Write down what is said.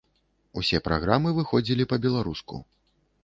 Усе праграмы выходзілі па-беларуску.